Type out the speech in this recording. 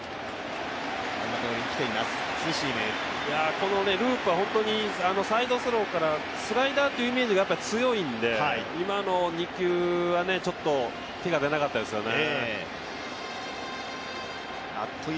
このループは本当にサイドスローからスライダーというイメージが強いので今の２球はちょっと手が出なかったですよね。